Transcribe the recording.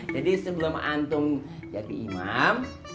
jadi sebelum antum jadi imam